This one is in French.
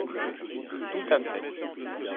Tout à fait